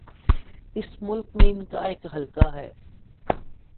اس ملک میں ان کا ایک حلقہ ہے۔